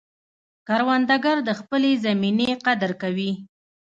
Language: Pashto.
کروندګر د خپلې زمینې قدر کوي